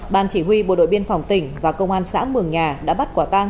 ban chỉ huy bộ đội biên phòng tỉnh và công an xã mường nhà đã bắt quả tang